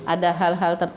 ada hal hal tersebut